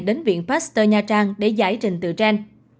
đến viện pasteur nha trang để giải trình tựa trên